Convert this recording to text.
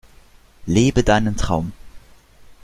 Lebe deinen Traum!